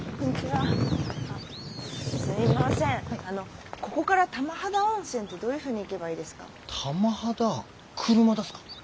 あのここから玉肌温泉ってどういうふうに行けばいいですか？